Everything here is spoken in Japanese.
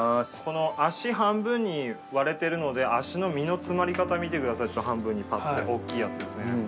この足半分に割れてるので足の身の詰まり方見てください半分に大っきいやつですね。